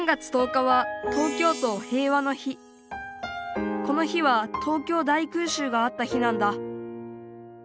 たとえばこの日は東京大空襲があった日なんだ。